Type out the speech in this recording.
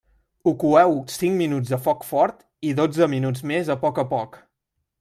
Ho coeu cinc minuts a foc fort i dotze minuts més a poc a poc.